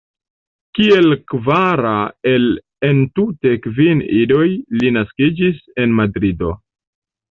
Kiel kvara el entute kvin idoj li naskiĝis en Madrido.